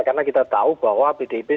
karena kita tahu bahwa bdip sudah menang